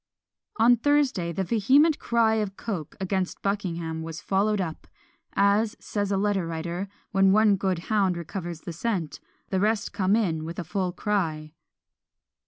On Thursday, the vehement cry of Coke against Buckingham was followed up; as, says a letter writer, when one good hound recovers the scent, the rest come in with a full cry.